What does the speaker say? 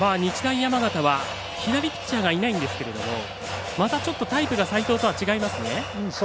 山形は左ピッチャーがいないんですけれどもまた、ちょっとタイプが齋藤とは違いますね。